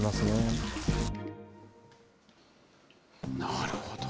なるほど。